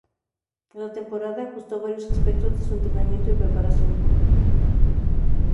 En la temporada, ajustó varios aspectos de su entrenamiento y preparación.